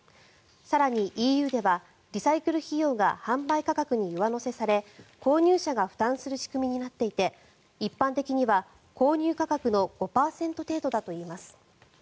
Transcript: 更にＥＵではリサイクル費用が販売価格に上乗せされ購入者が負担する仕組みになっていて一般的には購入価格の５％程度だといいます。